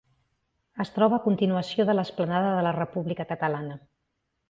Es troba a continuació de l'Esplanada de la República Catalana.